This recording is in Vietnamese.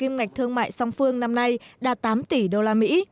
để kim ngạch thương mại song phương năm nay đạt tám tỷ usd